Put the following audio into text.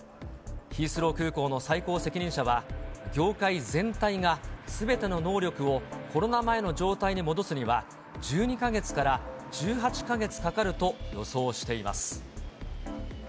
ヒースロー空港の最高責任者は、業界全体がすべての能力をコロナ前の状態に戻すには、１２か月から１８か月かかると予想しています。